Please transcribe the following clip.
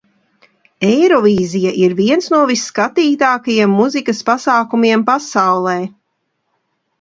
Eirovīzija ir viens no visskatītākajiem mūzikas pasākumiem pasaulē.